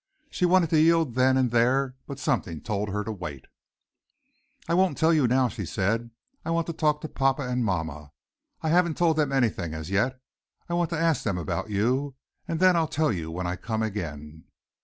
She wanted to yield then and there but something told her to wait. "I won't tell you now," she said, "I want to talk to papa and mamma. I haven't told them anything as yet. I want to ask them about you, and then I'll tell you when I come again."